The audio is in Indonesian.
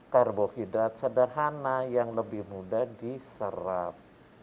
karbohidrat sederhana yang lebih mudah diserap